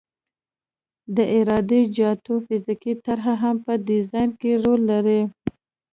د عراده جاتو فزیکي طرح هم په ډیزاین کې رول لري